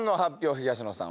東野さん